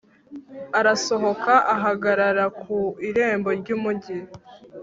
arasohoka ahagarara ku irembo ry'umugi